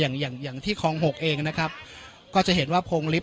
อย่างอย่างที่คลองหกเองนะครับก็จะเห็นว่าโพงลิฟ